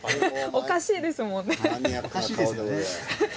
おかしいですもんね。